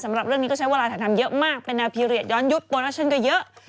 สำหรับเรื่องนี้ก็ใช้เวลาถ่ายทำเยอะมากเป็นแนวพีเรียสย้อนยุคโปรดัชชั่นก็เยอะ